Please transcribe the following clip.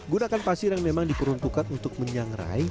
gunakan pasir yang memang diperuntukkan untuk menyangrai